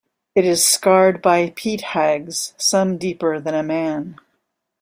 It is scarred by peat hags, some deeper than a man.